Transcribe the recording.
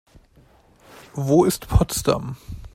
Wo ist Potsdam?